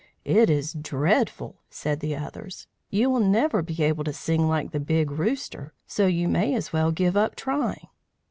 "It is dreadful," said the others. "You will never be able to sing like the Big Rooster, so you may as well give up trying."